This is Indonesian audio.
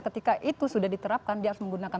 ketika itu sudah diterapkan dia harus menggunakan